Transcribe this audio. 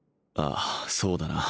あそうだな